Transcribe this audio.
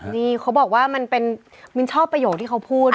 นี่เขาบอกว่ามันเป็นมินชอบประโยคที่เขาพูด